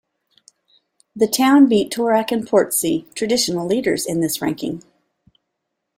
The town beat Toorak and Portsea, traditional leaders in this ranking.